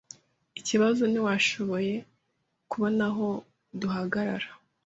Ikibazo ntitwashoboye kubona aho duhagarara.